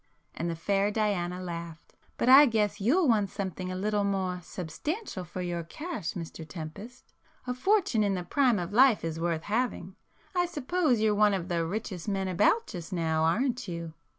and the fair Diana laughed—"But I guess you'll want something a little more substantial for your cash Mr Tempest! A fortune in the prime of life is worth having. I suppose you're one of the richest men about just now, aren't you?"